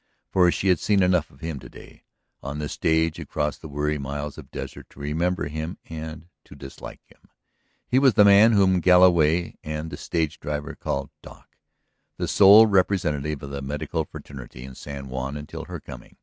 For she had seen enough of him to day, on the stage across the weary miles of desert, to remember him and to dislike him. He was the man whom Galloway and the stage driver had called "Doc," the sole representative of the medical fraternity in San Juan until her coming.